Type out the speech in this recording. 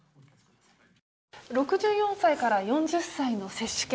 ６４歳から４０歳の接種券